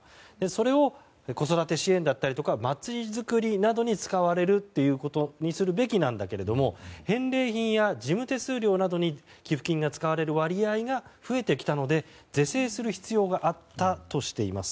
それを、子育て支援だったりとか街づくりなどに使われるということにするべきなんだけれども返礼品や事務手数料などに寄付金が使われる割合が増えてきたので、是正する必要があったとしています。